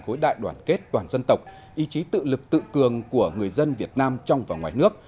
khối đại đoàn kết toàn dân tộc ý chí tự lực tự cường của người dân việt nam trong và ngoài nước